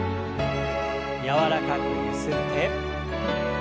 柔らかくゆすって。